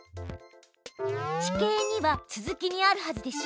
地形２は続きにあるはずでしょ。